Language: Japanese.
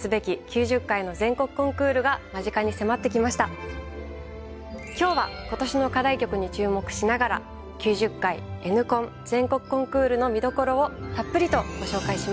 今日は１０月７日から行われる更に今日は今年の課題曲に注目しながら９０回Ｎコン全国コンクールの見どころをたっぷりとご紹介します。